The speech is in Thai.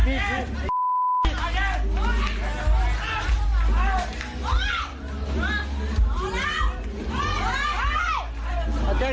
พูดโทรหารถพยาบาล